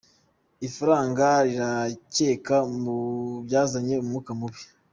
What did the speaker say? Ifaranga, rirakekwa mu byazanye umwuka mubi.